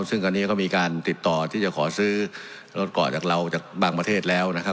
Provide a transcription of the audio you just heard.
ซึ่งตอนนี้ก็มีการติดต่อที่จะขอซื้อรถเกาะจากเราจากบางประเทศแล้วนะครับ